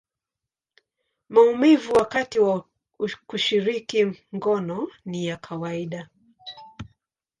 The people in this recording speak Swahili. maumivu wakati wa kushiriki ngono ni ya kawaida.